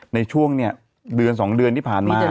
ในช่วงเดือนสองเดือนที่ผ่านมา